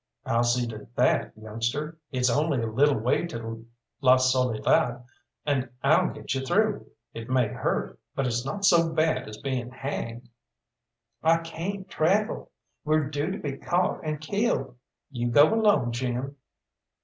"I'll see to that, youngster. It's only a little way to La Soledad, and I'll get you through. It may hurt, but it's not so bad as being hanged." "I cayn't travel. We're due to be caught and killed. You go alone, Jim."